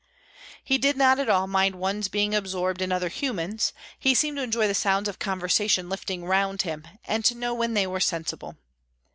He did not at all mind one's being absorbed in other humans; he seemed to enjoy the sounds of conversation lifting round him, and to know when they were sensible.